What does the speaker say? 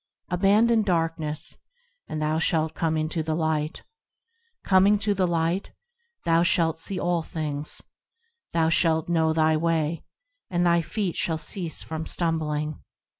Abandon darkness, and thou shalt come unto the Light; Coming to the Light, thou shalt see all things: Thou shalt know thy way, and thy feet shall cease from stumbling.